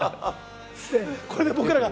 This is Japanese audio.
これで僕らが。